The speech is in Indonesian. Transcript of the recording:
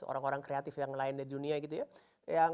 orang orang kreatif yang lain di dunia gitu ya